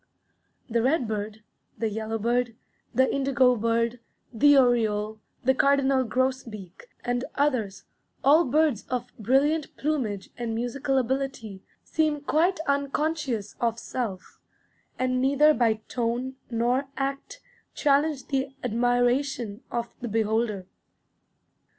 The redbird, the yellowbird, the indigo bird, the oriole, the cardinal grosbeak, and others, all birds of brilliant plumage and musical ability, seem quite unconscious of self, and neither by tone nor act challenge the admiration of the beholder.